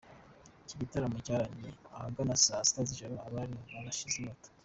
Iki gitaramo cyarangiye ahagana isaa sita z’ijoro abari aho badashize inyota.